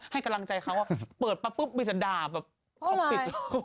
ให้กำลังใจเขาเปิดปั๊บปุ๊บมีเสนาด่าเขาปิดแล้ว